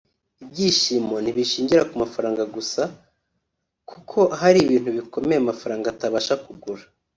Ibyishimo ntibishingira ku mafaranga gusa kuko hari ibintu bikomeye amafaranga atabasha kugura